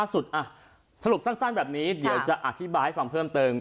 สรุปสั้นแบบนี้เดี๋ยวจะอธิบายให้ฟังเพิ่มเติม